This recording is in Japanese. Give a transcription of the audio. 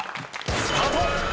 スタート！］